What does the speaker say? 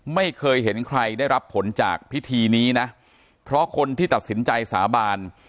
ไม่เคยเห็นใครได้รับผลจากพิธีนี้นะเพราะคนที่ตัดสินใจสาบาน